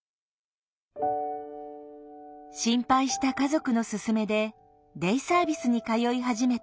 心配した家族の勧めでデイサービスに通い始めた戸上さん。